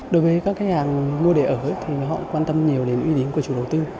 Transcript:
đối với các khách hàng mua để ở thì họ quan tâm nhiều đến uy tín của chủ đầu tư